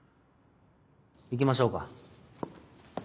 行きましょうか。